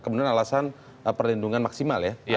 kemudian alasan perlindungan maksimal ya